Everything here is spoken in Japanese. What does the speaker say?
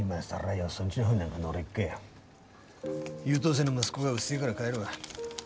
優等生の息子がうるせえがら帰るわ。